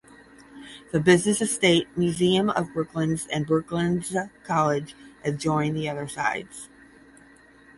The business estate, museum of Brooklands and Brooklands College adjoin the other sides.